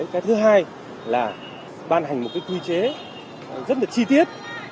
cái thứ hai là ban hành một cái quy chế rất là chi tiết